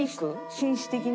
紳士的な。